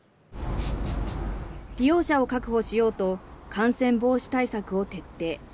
利用者を確保しようと、感染防止対策を徹底。